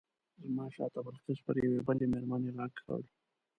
زما شاته بلقیس پر یوې بلې مېرمنې غږ کړ.